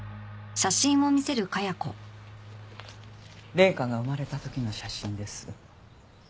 麗華が生まれた時の写真です。